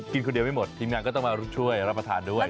คนเดียวไม่หมดทีมงานก็ต้องมาช่วยรับประทานด้วย